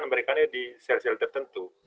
dan mereka menyebutkan mereka ini sebagai seorang pria